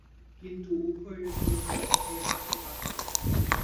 কিন্তু উভয়ের বিবাহে আসে বাধা।